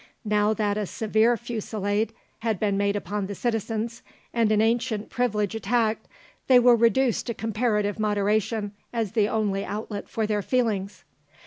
Now that a severe fusilade had been made upon the citizens and an ancient privilege attacked, they were reduced to comparative moderation as the only outlet for their feelings.